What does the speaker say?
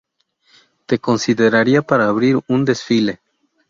Te consideraría para abrir un desfile".